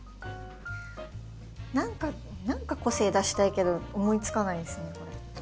何か個性出したいけど思いつかないですねこれ。